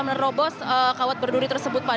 menerobos kawat berduri tersebut pak